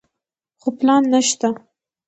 خو پلان نشته.